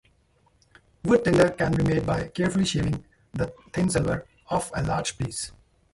Wood tinder can be made by carefully shaving thin slivers off a larger piece.